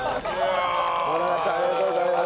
野永さんありがとうございます。